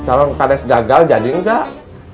calon kades gagal jadi enggak